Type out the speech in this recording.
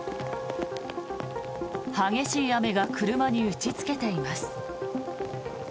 激しい雨が車に打ちつけています。